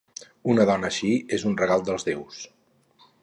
Una dona així és un regal dels déus.